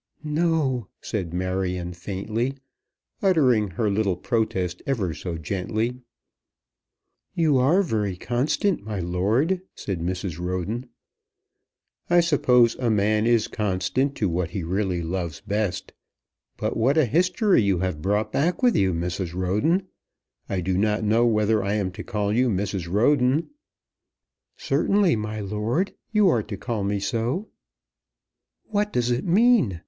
"No," said Marion faintly, uttering her little protest ever so gently. "You are very constant, my lord," said Mrs. Roden. "I suppose a man is constant to what he really loves best. But what a history you have brought back with you, Mrs. Roden! I do not know whether I am to call you Mrs. Roden." "Certainly, my lord, you are to call me so." "What does it mean?"